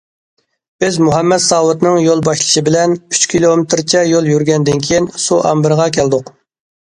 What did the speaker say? بىز مۇھەممەت ساۋۇتنىڭ يول باشلىشى بىلەن ئۈچ كىلومېتىرچە يول يۈرگەندىن كېيىن، سۇ ئامبىرىغا كەلدۇق.